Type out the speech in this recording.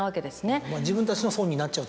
自分たちの損になっちゃう。